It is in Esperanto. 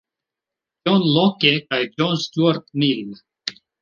John Locke kaj John Stuart Mill.